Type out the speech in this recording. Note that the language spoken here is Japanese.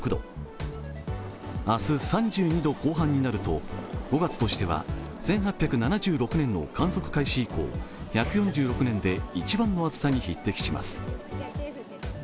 明日、３２度後半になると５月としては１８７６年の観測開始以降、１４６年で一番の暑さに匹敵します。